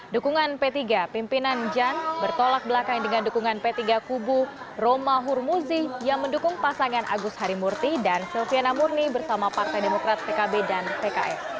dukungan p tiga pimpinan jan bertolak belakang dengan dukungan p tiga kubu roma hurmuzi yang mendukung pasangan agus harimurti dan silviana murni bersama partai demokrat pkb dan pks